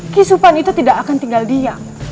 kisupan itu tidak akan tinggal diam